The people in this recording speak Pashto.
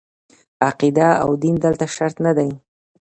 عقیده او دین دلته شرط نه دي.